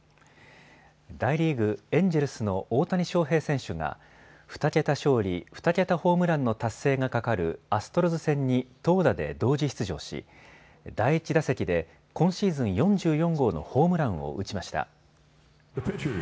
大リーグ、エンジェルスの大谷翔平選手が２桁勝利、２桁ホームランの達成がかかるアストロズ戦に投打で同時出場し、第１打席で今シーズン４４号のホームランを打ちました。